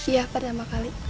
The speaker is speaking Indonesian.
ya pertama kali